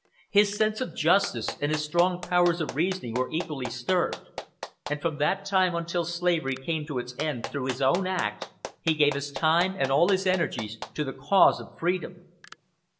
His sense of justice and his strong powers of reasoning were equally stirred, and from that time until slavery came to its end through his own act, he gave his time and all his energies to the cause of freedom.